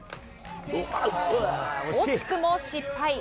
惜しくも失敗。